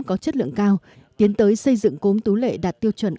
có chất lượng cao tiến tới xây dựng cốm tú lệ đạt tiêu chuẩn